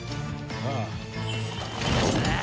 ああ？